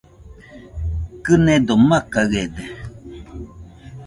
Kɨnedo makaɨede